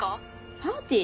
パーティー？